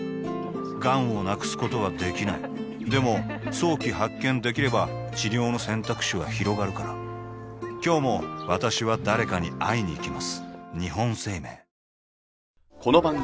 がんを無くすことはできないでも早期発見できれば治療の選択肢はひろがるから今日も私は誰かに会いにいきます